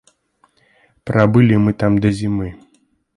Прабылі мы там да зімы.